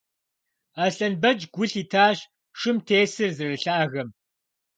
Аслъэнбэч гу лъитащ шым тесыр зэрылъагэм.